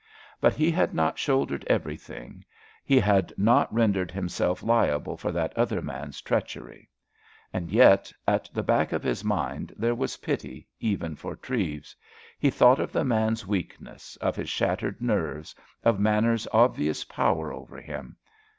But he had not shouldered everything, he had not rendered himself liable for that other man's treachery. And yet, at the back of his mind, there was pity, even for Treves. He thought of the man's weakness, of his shattered nerves, of Manners's obvious power over him.